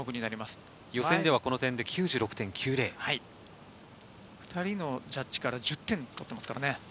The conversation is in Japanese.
この演技で９６．５０、２人のジャッジから１０点取っていますからね。